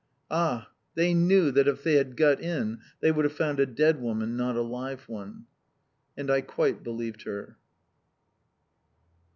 Ah! they knew that if they had got in they would have found a dead woman, not a live one!" And I quite believed her.